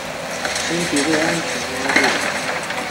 身体被安全带拉住